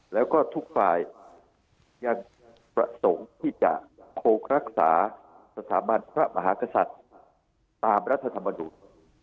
แล้วก็ทุกฝ่ายยังประสงค์ที่จะคงรักษาสถาบันพระมหากษัตริย์ตามรัฐธรรมนูล